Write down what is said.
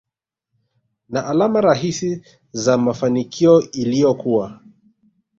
na alama rahisi za mafanikio iliyokuwa